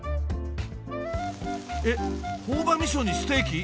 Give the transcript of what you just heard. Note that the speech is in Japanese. えっ朴葉みそにステーキ？